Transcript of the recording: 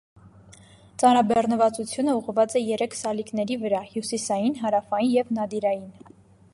Ծանրաբեռնվածությունը ուղղված է երեք սալիկների վրա՝ հյուսիսային, հարավային և նադիրային։